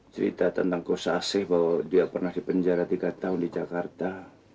cerita tentang kosa bahwa dia pernah dipenjara tiga tahun di jakarta